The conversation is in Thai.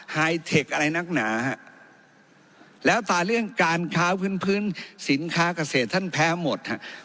ไฮเทคอะไรนักหนาฮะแล้วตาเรื่องการค้าพื้นสินค้าเกษตรท่านแพ้หมดฮะ